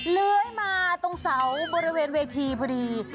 เลื้อยมาตรงเสาบริเวณเวทีพอดี